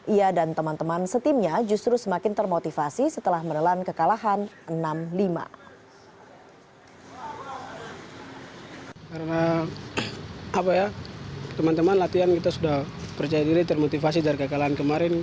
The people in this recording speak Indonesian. ia dan teman teman setimnya justru semakin termotivasi setelah menelan kekalahan enam lima